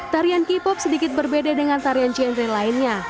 tarian k pop sedikit berbeda dengan tarian chengring lainnya